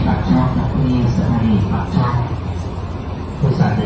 มองมาซะดีมองไป